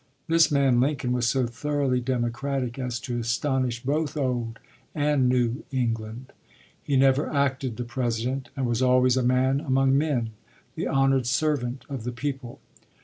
This man Lincoln was so thoroughly democratic as to astonish both Old and New England. He never acted "the President," and was always a man among men, the honored servant of the people.